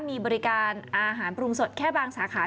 มีบริการอาหารปรุงสดแค่บางสาขา